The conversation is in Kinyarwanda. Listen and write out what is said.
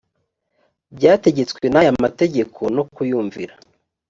byategetswe n aya mategeko no kuyumvira